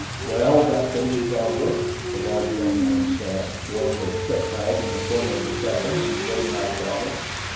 "Well, that finishes our work," the large young man said, going to a kitbag in the corner of the cabin and getting out a bottle.